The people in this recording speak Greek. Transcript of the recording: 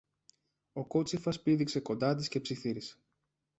Ο κότσυφας πήδηξε κοντά της και ψιθύρισε